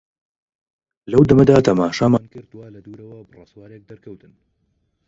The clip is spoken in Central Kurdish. لەو دەمەدا تەماشامان کرد وا لە دوورەوە بڕە سوارێک دەرکەوتن.